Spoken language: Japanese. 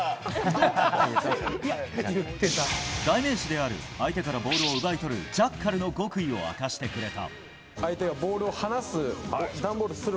代名詞である相手からボールを奪い取るジャッカルの極意を明かしてくれた。